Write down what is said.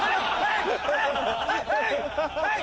はい！